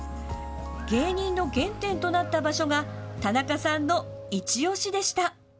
芸人の原点となった場所が田中さんのいちオシでした。